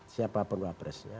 siapa pun wapresnya